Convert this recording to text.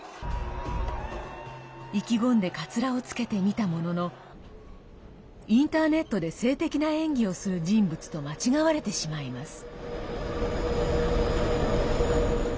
意気込んでカツラをつけてみたもののインターネットで性的な演技をする人物と間違われてしまいます。